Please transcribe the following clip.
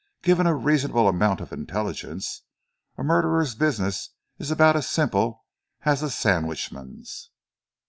Given a reasonable amount of intelligence, and a murderer's business is about as simple as a sandwich man's."